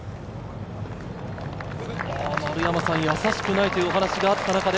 やさしくないというお話があった中で。